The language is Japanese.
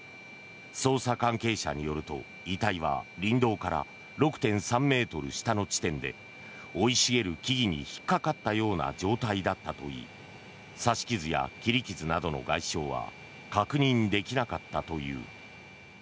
捜査関係者によると遺体は林道から６．３ｍ下の地点で生い茂る木々に引っかかったような状態だったといい刺し傷や切り傷などの外傷は確認できなかったという。